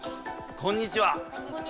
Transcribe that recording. こんにちは！